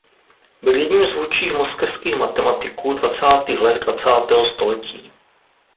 Byl jedním z vůdčích moskevských matematiků dvacátých let dvacátého století.